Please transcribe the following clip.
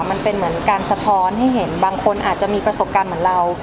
มันเป็นเหมือนการสะท้อนให้เห็นบางคนอาจจะมีประสบการณ์เหมือนเรา